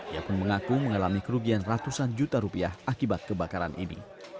ia pun mengaku mengalami kerugian ratusan juta rupiah akibat kebakaran ini